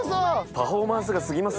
パフォーマンスが過ぎますって。